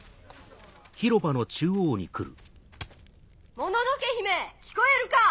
もののけ姫聞こえるか！